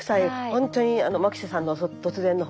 本当に牧瀬さんの突然の訪問